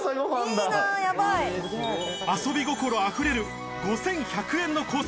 遊び心溢れる５１００円のコース